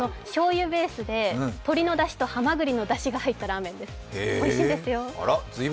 醤油ベースで鶏のだしとハマグリのだしが入ったラーメン、おいしいんですよ。